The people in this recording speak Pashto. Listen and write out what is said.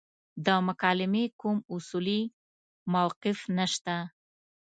د مکالمې کوم اصولي موقف نشته.